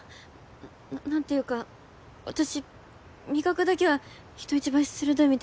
何ていうか私味覚だけは人一倍鋭いみたいで